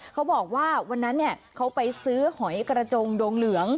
เขาบอกว่าวันนั้นเขาไปซื้อหอยกระจงดงเหลือง